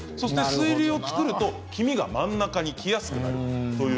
水流を作ると黄身が真ん中にきやすくなります。